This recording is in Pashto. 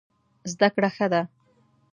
زده کړه ښه ده.